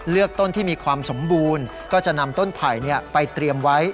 ต้นที่มีความสมบูรณ์ก็จะนำต้นไผ่ไปเตรียมไว้